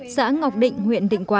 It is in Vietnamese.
xã ngọc định huyện đồng nai đã bị bắt